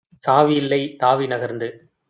சாவி யில்லை; தாவி நகர்ந்து